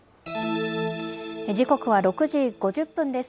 時刻は６時５０分です。